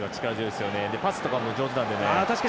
パスとかも上手なんで。